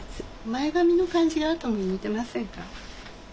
前髪の感じがアトムに似てませんか？